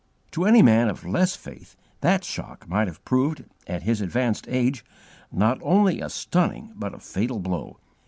To any man of less faith that shock might have proved, at his advanced age, not only a stunning but a fatal blow.